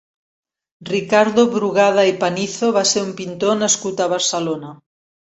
Ricardo Brugada i Panizo va ser un pintor nascut a Barcelona.